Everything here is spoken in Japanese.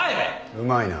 うまいな。